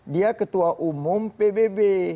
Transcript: dia ketua umum pbb